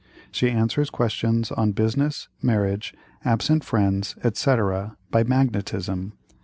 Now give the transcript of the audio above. She answers questions on business, marriage, absent friends, &c., by magnetism.